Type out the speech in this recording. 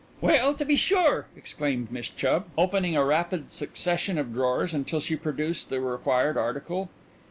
"Well, to be sure!" exclaimed Miss Chubb, opening a rapid succession of drawers until she produced the required article.